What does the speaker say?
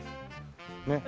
ねっ。